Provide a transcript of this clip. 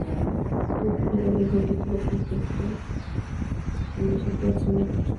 Buen jugador de hockey, estuvo a punto de jugar en los Ottawa Senators.